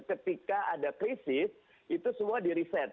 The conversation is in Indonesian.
ketika ada krisis itu semua di riset